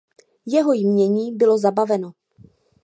Jeho jmění bylo zabaveno.